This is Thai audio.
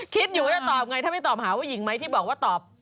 คิดอยู่ว่าจะตอบไงถ้าไม่ตอบหาว่าหญิงไหมที่บอกว่าตอบ